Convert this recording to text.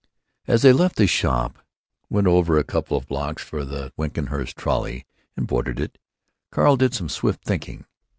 As they left the shop, went over a couple of blocks for the Winklehurst trolley, and boarded it, Carl did some swift thinking.